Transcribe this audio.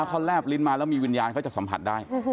เขาแลบลิ้นมาแล้วมีวิญญาณเขาจะสัมผัสได้